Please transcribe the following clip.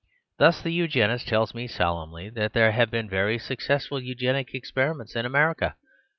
Thus the Eugenists tell me solemnly that there have been very successful Eugenic experiments in America.